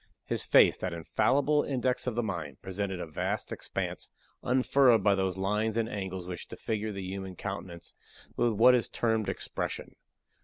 His face, that infallible index of the mind, presented a vast expanse, unfurrowed by those lines and angles which disfigure the human countenance with what is termed expression.